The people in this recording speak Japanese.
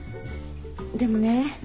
でもね